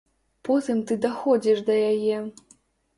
Потым ты даходзіш да яе.